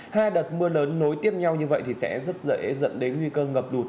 hai đợt mưa lớn nối tiếp nhau như vậy thì sẽ rất dễ dẫn đến nguy cơ ngập lụt